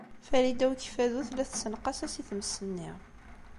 Farida n Ukeffadu tella tessenqas-as i tmes-nni.